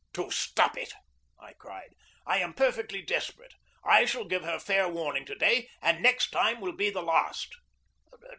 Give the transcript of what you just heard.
"To stop it!" I cried. "I am perfectly desperate; I shall give her fair warning to day, and the next time will be the last."